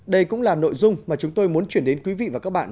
đây cũng là nội dung mà chúng tôi muốn chuyển đến quý vị và các bạn